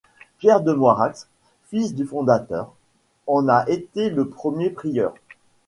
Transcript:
Pierre de Moirax, fils du fondateur, en a été le premier prieur.